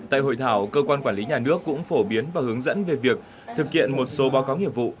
tại hội thảo cơ quan quản lý nhà nước cũng phổ biến và hướng dẫn về việc thực hiện một số báo cáo nhiệm vụ